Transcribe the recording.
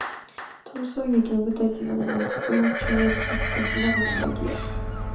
逃走劇の舞台となるのは、時空を超越した様々なエリア。